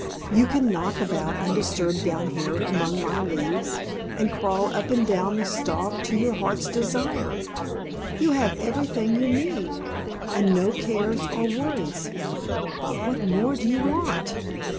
You can knock about undisturbed down here among my leaves, and crawl up and down the stalk to your heart's desire. You have everything that you need, and no cares or worries what more do you want?"